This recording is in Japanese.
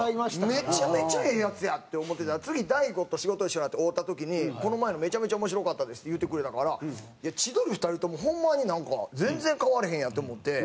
めちゃめちゃええヤツやって思ってたら次大悟と仕事一緒になって会うた時に「この前のめちゃめちゃ面白かったです」って言うてくれたから千鳥２人ともホンマになんか全然変わらへんやんって思って。